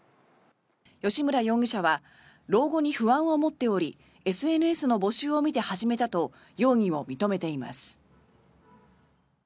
吉村容疑者は老後に不安を持っておりＳＮＳの募集を見て始めたと容疑を認めています。